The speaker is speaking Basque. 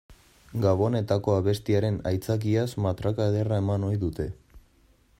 Gabonetako abestiaren aitzakiaz matraka ederra eman ohi dute.